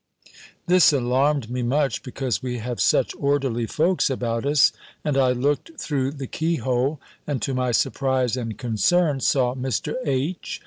This alarmed me much, because we have such orderly folks about us; and I looked through the key hole; and, to my surprise and concern, saw Mr. H.